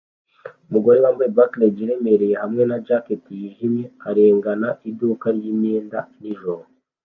umugore wambaye maquillage iremereye hamwe na jacket yijimye arengana iduka ryimyenda nijoro